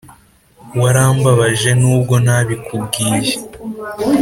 warambabaje nubwo ntabikubwiye